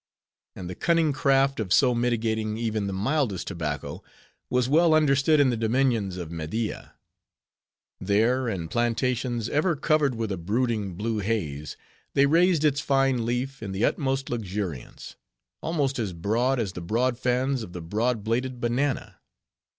And the cunning craft of so mitigating even the mildest tobacco was well understood in the dominions of Media. There, in plantations ever covered with a brooding, blue haze, they raised its fine leaf in the utmost luxuriance; almost as broad as the broad fans of the broad bladed banana.